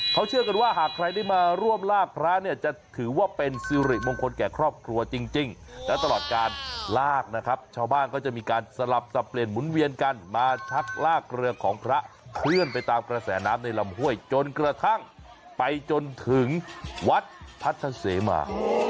เขาเชื่อกันว่าหากใครได้มาร่วมลากพระเนี่ยจะถือว่าเป็นสิริมงคลแก่ครอบครัวจริงและตลอดการลากนะครับชาวบ้านก็จะมีการสลับสับเปลี่ยนหมุนเวียนกันมาชักลากเรือของพระเคลื่อนไปตามกระแสน้ำในลำห้วยจนกระทั่งไปจนถึงวัดพัทธเสมา